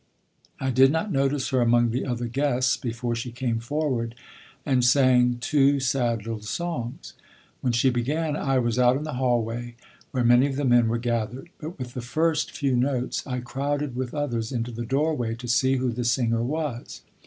I did not notice her among the other guests before she came forward and sang two sad little songs. When she began, I was out in the hallway, where many of the men were gathered; but with the first few notes I crowded with others into the doorway to see who the singer was.